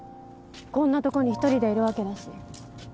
こんなとこに一人でいるわけだし